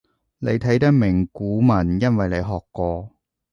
你睇得明古文因為你學過